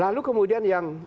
lalu kemudian yang